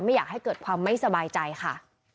ไม่อยากให้เกิดความไม่สบายใจค่ะ